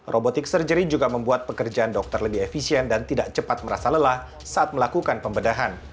robotik surgery juga membuat pekerjaan dokter lebih efisien dan tidak cepat merasa lelah saat melakukan pembedahan